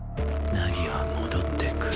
凪は戻ってくる。